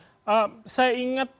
saya ingat kemudian beberapa hal